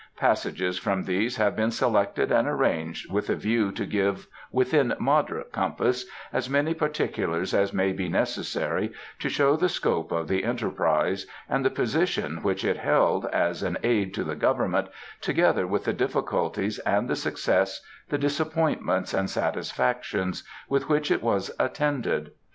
Passages from these have been selected and arranged with a view to give within moderate compass as many particulars as may be necessary to show the scope of the enterprise, and the position which it held as an aid to the government, together with the difficulties and the success, the disappointments and satisfactions, with which it was attended.